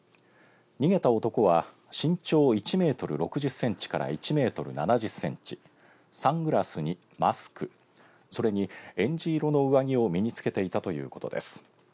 逃げた男は身長１メートル６０センチから１メートル７０センチサングラスにマスクそれに、えんじ色の上着を身に着けていたということです。